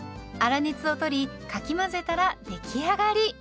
粗熱を取りかき混ぜたら出来上がり。